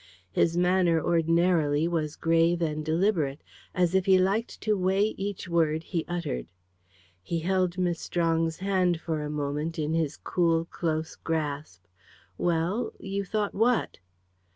His manner, ordinarily, was grave and deliberate, as if he liked to weigh each word he uttered. He held Miss Strong's hand for a moment in his cool, close grasp. "Well; you thought what?"